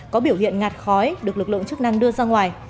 có biểu hiện ngạt khói được lực lượng chức năng đưa ra ngoài